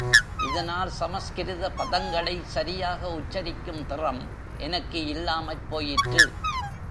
இதனால் சம்ஸ்கிருத பதங்களை சரியாக உச்சரிக்கும் திறம் எனக்கு இல்லாமற் போயிற்று.